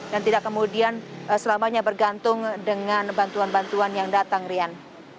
dan tidak kemudian selamanya bergantung dengan bantuan bantuan yang datang lian